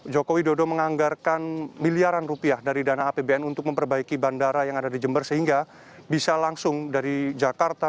joko widodo menganggarkan miliaran rupiah dari dana apbn untuk memperbaiki bandara yang ada di jember sehingga bisa langsung dari jakarta